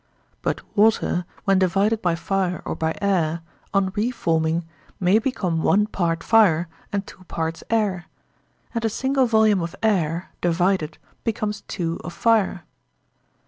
But water, when divided by fire or by air, on re forming, may become one part fire and two parts air; and a single volume of air divided becomes two of fire.